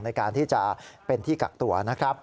ในการที่จะเป็นที่กักตัวนะครับ